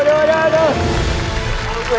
สวยแล้ว